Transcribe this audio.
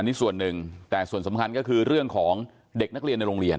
นี่ส่วนหนึ่งแต่ส่วนสำคัญก็คือเรื่องของเด็กนักเรียนในโรงเรียน